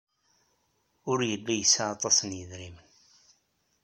Ur yelli yesɛa aṭas n yedrimen.